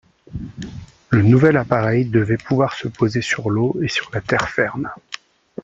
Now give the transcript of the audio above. Le nouvel appareil devait pouvoir se poser sur l'eau et sur la terre ferme.